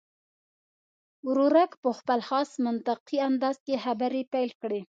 ورورک په خپل خاص منطقي انداز کې خبرې پیل کړې.